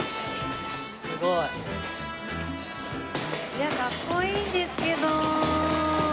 すごい。いやかっこいいんですけど。